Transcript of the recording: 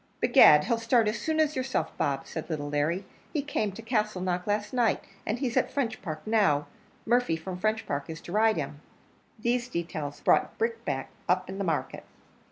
"Begad! he'll start as soon as yourself, Bob," said little Larry; "he came to Castleknock last night, and he's at Frenchpark now: Murphy from Frenchpark is to ride him." These details brought Brickbat up in the market.